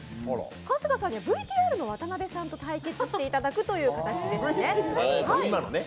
春日さんにはＶＴＲの渡辺さんと対決していただくという形です。